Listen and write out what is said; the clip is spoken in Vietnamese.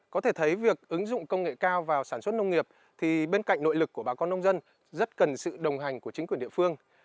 có thể thấy việc ứng dụng công nghệ cao vào sản xuất nông nghiệp thì bên cạnh nội lực của bà con nông dân rất cần sự đồng hành của chính quyền địa phương